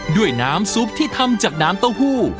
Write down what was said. ด้วยน้ำซุปที่ทำจากน้ำเต้าหู้